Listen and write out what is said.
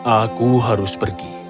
aku harus pergi